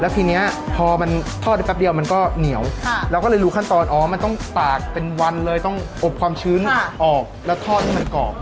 ทีนี้พอมันทอดได้แป๊บเดียวมันก็เหนียวเราก็เลยรู้ขั้นตอนอ๋อมันต้องตากเป็นวันเลยต้องอบความชื้นออกแล้วทอดให้มันกรอบ